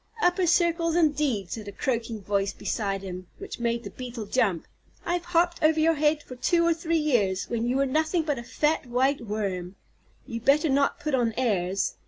"Upper circles, indeed!" said a croaking voice beside him, which made the Beetle jump, "I have hopped over your head for two or three years, when you were nothing but a fat, white worm. You'd better not put on airs.